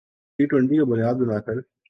T twenty کو بنیاد بنا کر